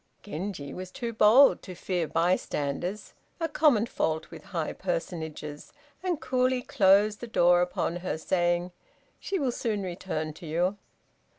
Genji was too bold to fear bystanders, a common fault with high personages, and coolly closed the door upon her saying, "She will soon return to you."